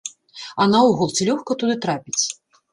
А наогул, ці лёгка туды трапіць?